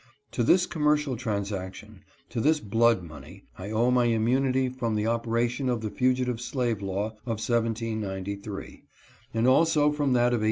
To this commercial transaction, to this blood money, I owe my immunity from the operation of the fugitive slave law of 1793, and also from that of 1850.